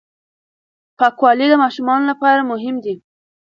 پاکوالی د ماشومانو لپاره مهم دی.